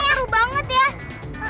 hei tanggep tanggep mereka